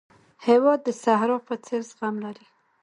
هېواد د صحرا په څېر زغم لري.